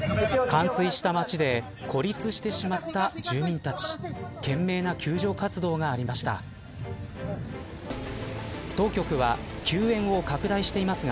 冠水した街で孤立してしまった住民たち懸命な救助活動がありました。